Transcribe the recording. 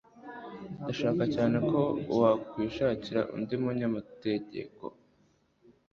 Ndasaba cyane ko wakwishakira undi munyamategeko